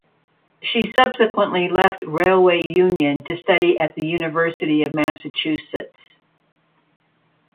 She subsequently left Railway Union to study at the University of Massachusetts.